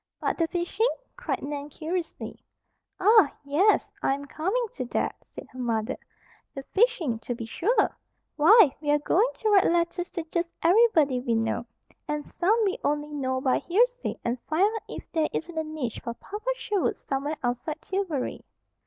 "But the fishing?" cried Nan curiously. "Ah, yes. I am coming to that," said her mother. "The fishing, to be sure! Why, we are going to write letters to just everybody we know, and some we only know by hearsay, and find out if there isn't a niche for Papa Sherwood somewhere outside Tillbury."